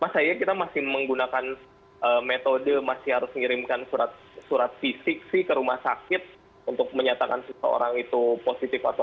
masanya kita masih menggunakan metode masih harus ngirimkan surat fisik sih ke rumah sakit untuk menyatakan seseorang itu positif atau